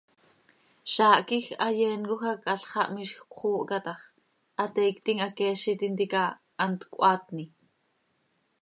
Zaah quij hayeencoj hac halx xah miizj cöxoohca tax ¡hateiictim haqueezi tintica hant cöhaatni!